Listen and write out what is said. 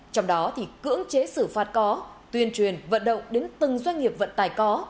trong đó thì cưỡng chế xử phạt có tuyên truyền vận động đến từng doanh nghiệp vận tài có